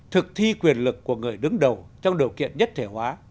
thực thi quyền lực của người đứng đầu trong điều kiện nhất thể hóa